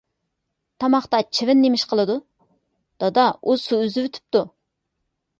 _ تاماقتا چىۋىن نېمىش قىلدۇ؟ _ دادا، ئۇ سۇ ئۈزۈۋېتىپتۇ.